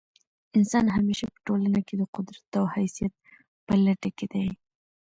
انسان همېشه په ټولنه کښي د قدرت او حیثیت په لټه کښي دئ.